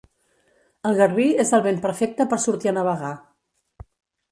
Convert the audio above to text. El Garbí és el vent perfecte per sortir a navegar.